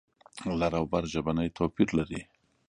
لر او بر ژبنی توپیر لري.